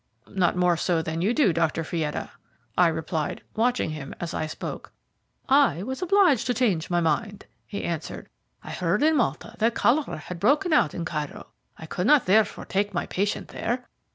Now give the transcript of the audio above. "Not more so than you do, Dr. Fietta," I replied, watching him as I spoke. "I was obliged to change my mind," he answered. "I heard in Malta that cholera had broken out in Cairo. I could not therefore take my patient there.